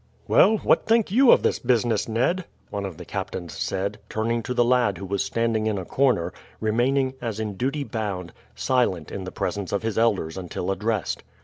"Well, what think you of this business, Ned?" one of the captains said, turning to the lad who was standing in a corner, remaining, as in duty bound, silent in the presence of his elders until addressed.